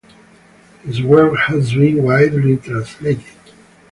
His work has been widely translated.